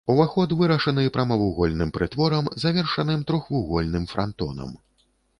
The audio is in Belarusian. Уваход вырашаны прамавугольным прытворам, завершаным трохвугольным франтонам.